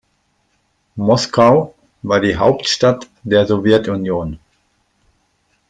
Moskau war die Hauptstadt der Sowjetunion.